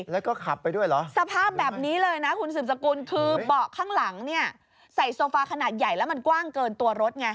แล้วก็ขับไปด้วยเหรอสภาพแบบนี้เลยนะคุณสืบสกุลคือเบาะข้างหลังเนี่ยใส่โซฟาขนาดใหญ่แล้วมันกว้างเกินตัวรถไง